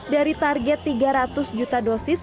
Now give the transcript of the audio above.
dari target tiga ratus juta dosis